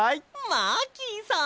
マーキーさん！